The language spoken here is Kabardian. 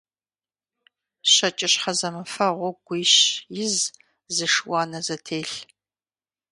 ЩэкӀыщхьэ зэмыфэгъуу гуищ из, зы шы – уанэ зэтелъ!